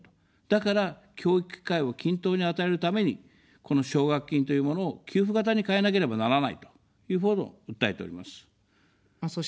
だから、教育機会を均等に与えるために、この奨学金というものを給付型に変えなければならないというものを訴えております。